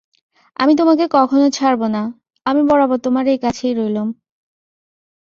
আমি তোমাকে কখনো ছাড়ব না– আমি বরাবর তোমার এই কাছেই রইলুম।